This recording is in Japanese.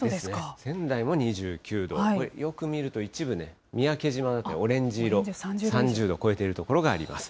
仙台も２９度、よく見ると一部、三宅島などオレンジ色、３０度を超えている所があります。